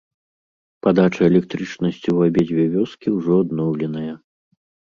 Падача электрычнасці ў абедзве вёскі ўжо адноўленая.